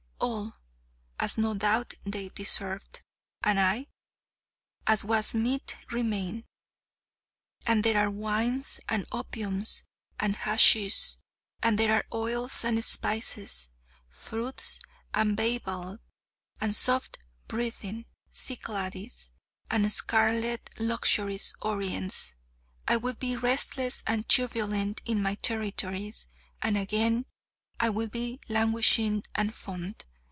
all! as no doubt they deserved: and I, as was meet, remain. And there are wines, and opiums, and haschish; and there are oils, and spices, fruits and bivalves, and soft breathing Cyclades, and scarlet luxurious Orients. I will be restless and turbulent in my territories: and again, I will be languishing and fond.